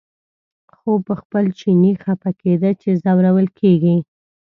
خو په خپل چیني خپه کېده چې ځورول کېږي.